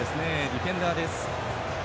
ディフェンダーです。